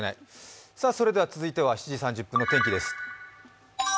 それでは続いては７時３０分の天気です。